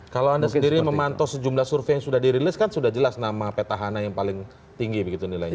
kalau anda sendiri memantau sejumlah survei yang sudah dirilis kan sudah jelas nama petahana yang paling tinggi begitu nilainya